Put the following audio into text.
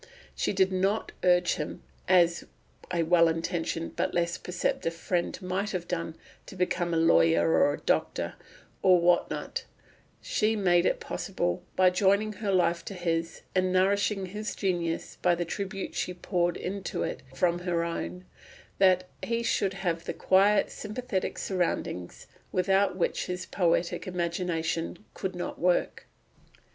She did not urge him, as a well intentioned but less perceptive friend might have done, to become a lawyer, or a doctor, or what not; she made it possible, by joining her life to his, and nourishing his genius by the tribute she poured into it from her own, that he should have the quiet sympathetic surroundings without which his poetic imagination could not work.